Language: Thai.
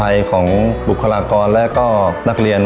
ทางโรงเรียนยังได้จัดซื้อหม้อหุงข้าวขนาด๑๐ลิตร